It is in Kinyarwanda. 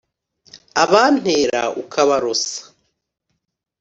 abantera ukabarosa.